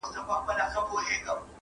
• ښکاري و ویل که خدای کول داغه دی,